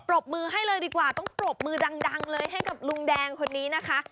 รบมือให้เลยดีกว่าต้องปรบมือดังเลยให้กับลุงแดงคนนี้นะคะ